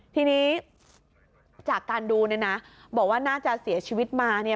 ทีนี้จากการดูเนี่ยนะบอกว่าน่าจะเสียชีวิตมาเนี่ย